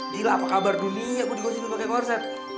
gila apa kabar dunia gue dikosipin pakai korset